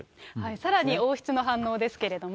さらに王室の反応ですけれども。